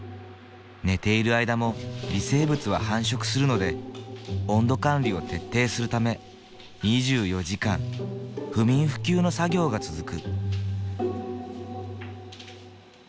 寝ている間も微生物は繁殖するので温度管理を徹底するため２４時間不眠不休の作業が続く。